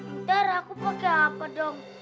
udah aku pake yang apa dong